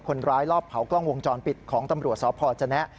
คนร้ายรอบเผากล้องวงจรปิดของตำรวจสพจนะ